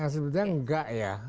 sebenarnya enggak ya